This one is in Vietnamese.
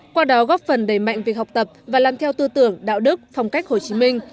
qua đó góp phần đầy mạnh việc học tập và làm theo tư tưởng đạo đức phong cách hồ chí minh